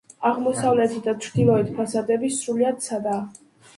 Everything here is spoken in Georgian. აღმოსავლეთი და ჩრდილოეთი ფასადები სრულიად სადაა.